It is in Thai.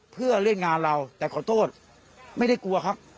เพื่อเล่นงานเราแต่ขอโทษไม่ได้กลัวครับ